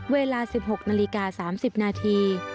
เวลา๑๖นาฬิกา๓๐นาที